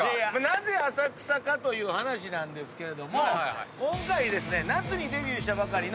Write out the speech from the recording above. なぜ浅草かという話なんですけれども今回ですね夏にデビューしたばかりの。